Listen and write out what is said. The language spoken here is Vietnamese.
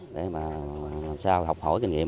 để mà làm sao học hỏi kinh nghiệm